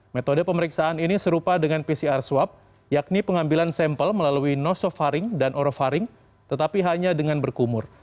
metode pemeriksaan ini serupa dengan pcr swab yakni pengambilan sampel melalui nosofaring dan orofaring tetapi hanya dengan berkumur